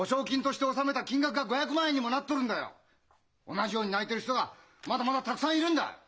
同じように泣いてる人がまだまだたくさんいるんだ！